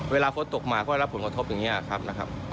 เวลาฝนตกมาก็รับผลกระทบอย่างนี้ครับนะครับ